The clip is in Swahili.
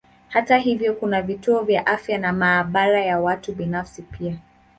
Hata hivyo kuna vituo vya afya na maabara ya watu binafsi pia.